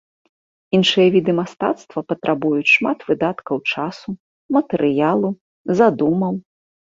Іншыя віды мастацтва патрабуюць шмат выдаткаў часу, матэрыялу, задумаў.